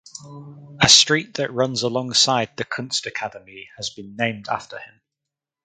A street that runs alongside the Kunstakademie has been named after him.